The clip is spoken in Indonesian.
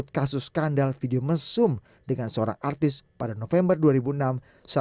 bang ke bandara